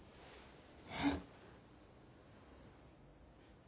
えっ。